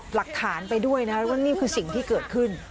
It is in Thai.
หลักฐานไปด้วยนะว่านี่คือสิ่งที่เกิดขึ้น